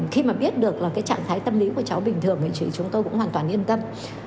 khi mà biết được là cái trạng thái tâm lý của cháu bình thường thì chúng tôi cũng hoàn toàn yên tâm